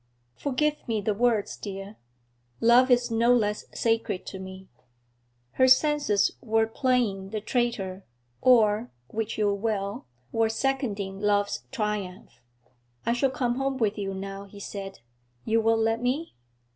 'Forgive me the words, dear. Love is no less sacred to me.' Her senses were playing the traitor; or which you will were seconding love's triumph. 'I shall come home with you now,' he said. 'You will let me?'